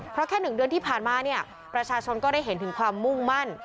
เพราะแค่๑เดือนที่ผ่านมาเนี่ยประชาชนก็ได้เห็นถึงความมุ่งมั่น